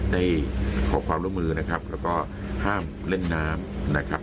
ได้ขอความร่วมมือนะครับแล้วก็ห้ามเล่นน้ำนะครับ